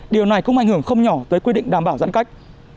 điều này cũng ảnh hưởng không nhỏ tới quy định đảm bảo giãn cách